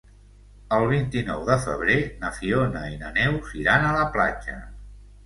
El vint-i-nou de febrer na Fiona i na Neus iran a la platja.